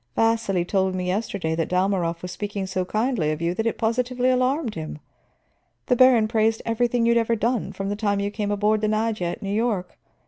Vasili told me yesterday that Dalmorov was speaking so kindly of you that it positively alarmed him. The baron praised everything you had ever done, from the time you came aboard the Nadeja at New York.